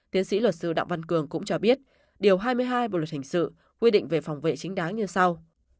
tiến sĩ luật sư đặng văn cường cũng cho biết điều hai mươi hai bộ luật hình sự quy định về phòng vệ chính đáng như sau